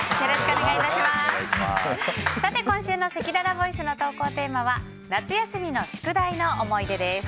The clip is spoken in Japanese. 今週のせきららボイスの投稿テーマは夏休みの宿題の思い出です。